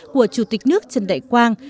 của chủ tịch nước trần đại quang